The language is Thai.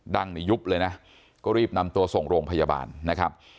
ในยุบเลยนะก็รีบนำตัวส่งโรงพยาบาลนะครับ